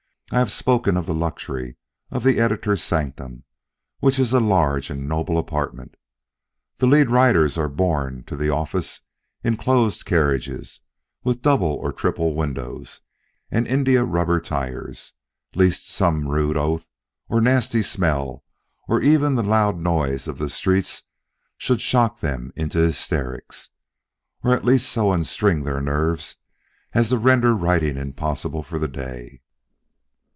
I have spoken of the luxury of the Editor's sanctum, which is a large and noble apartment. The leader writers are borne to the office in closed carriages, with double or triple windows and india rubber tires, lest some rude oath, or nasty smell, or even the loud noise of the streets should shock them into hysterics, or at least so unstring their nerves as to render writing impossible for the day.